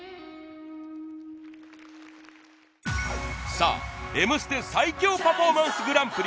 さあ『Ｍステ』最強パフォーマンスグランプリ